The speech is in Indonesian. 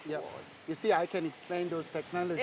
ya anda lihat saya bisa menjelaskan teknologi itu